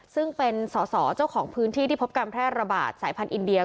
ซึ่งเป็นสอสอเจ้าของพื้นที่ที่พบการแพร่ระบาดสายพันธุอินเดีย